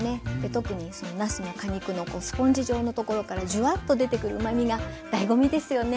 特になすの果肉のスポンジ状のところからジュワッと出てくるうまみが醍醐味ですよね。